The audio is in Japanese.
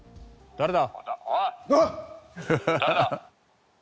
誰だ？